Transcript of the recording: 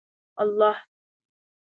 الله